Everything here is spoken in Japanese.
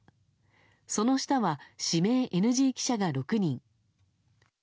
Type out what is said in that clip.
その下は、指名ＮＧ記者が６人。